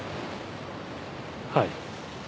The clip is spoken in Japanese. はい。